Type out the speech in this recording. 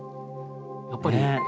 やっぱり。